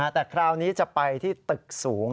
แต่คราวนี้จะไปที่ตึกสูง